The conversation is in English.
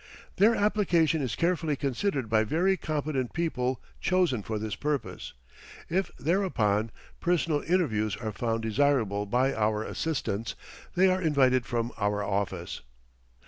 Their application is carefully considered by very competent people chosen for this purpose. If, thereupon, personal interviews are found desirable by our assistants, they are invited from our office.